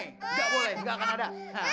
enggak boleh enggak akan ada